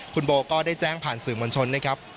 คุณโบก็ได้แจ้งผ่านสื่อมวลชนนะครับ